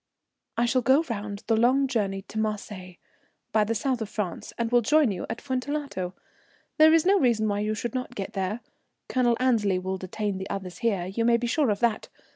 "I shall go round the long journey to Marseilles, by the South of France, and will join you at Fuentellato. There is no reason why you should not get there. Colonel Annesley will detain the others here, you may be sure of that.